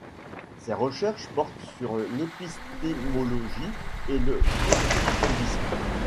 Ses recherches portent sur l'épistémologie et le constructivisme.